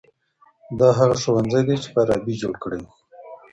دا هغه ښوونځی دی چي فارابي جوړ کړی و.